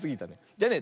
じゃあね